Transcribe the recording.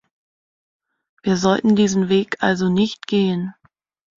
Wir sollten diesen Weg also nicht gehen.